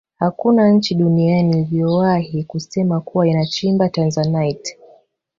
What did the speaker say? hakuna nchi duniani iliyowahi kusema kuwa inachimba tanzanite